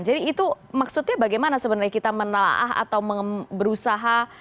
jadi itu maksudnya bagaimana sebenarnya kita menelah atau berusaha